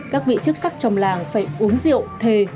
các vị chức sắc trong làng phải uống rượu thề